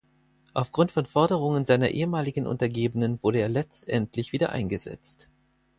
Aufgrund von Forderungen seiner ehemaligen Untergebenen wurde er letztendlich wieder eingesetzt.